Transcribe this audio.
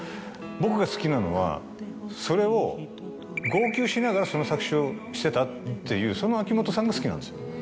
僕が好きなのはそれを。をしてたっていうその秋元さんが好きなんですよ。